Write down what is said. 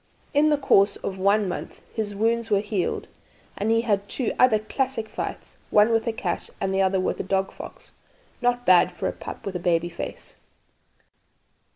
In the course of one month his wounds were healed, and he had two other classical fights, one with a cat and the other with a dog fox. Not bad for a pup with a 'baby face?'